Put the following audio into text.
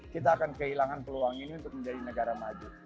kita akan kehilangan peluang ini untuk menjadi negara maju